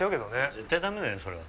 絶対ダメだよそれは。